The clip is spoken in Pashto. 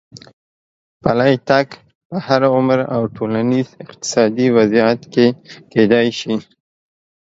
پلی تګ په هر عمر او ټولنیز اقتصادي وضعیت کې کېدای شي.